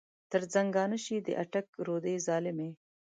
تر زنګانه شې د اټک رودې ظالمې.